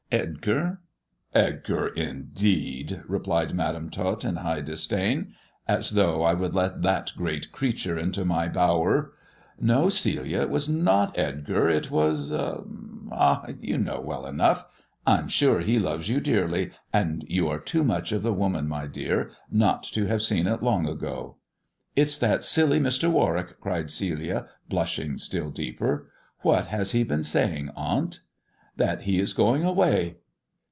" Edgar ?"" Edgar, indeed I " replied Madam Tot in high disda " As though I would let that great creature into my bowi No, Celia, it was not Edgar, it was Ah, you kni well enough ! I'm sure he loves you dearly, and you f too much of the woman, my dear, not to have seen long ago." " It's that silly Mr. Warwick," cried Celia, blushing si deeper. " What has he been saying, aunt 1 "" That he is going away